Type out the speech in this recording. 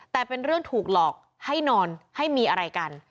แต่เป็นเรื่องถูกหลอกให้นอนให้มีอะไรกัน